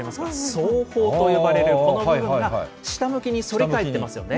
総苞と呼ばれる、この部分が下向きに反り返ってますよね。